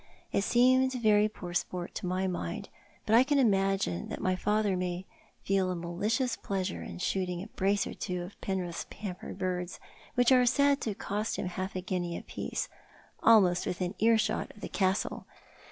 It seemed very poor sport to my mind ; but I can imagine that my father may feel a malicious pleasure in shooting a brace or two of Penrith's pampered birds — which are said to cost him half a guinea apiece— almost within earshot of the Castle.